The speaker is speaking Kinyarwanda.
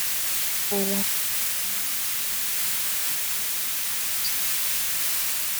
uwo umunsi yakiriye dosiye yujuje ibisabwa